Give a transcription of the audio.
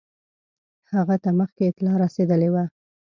هغه ته مخکي اطلاع رسېدلې وه.